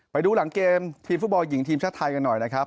ไปดูหลังเกมทีมฟุตบอลหญิงทีมชาติไทยกันหน่อยนะครับ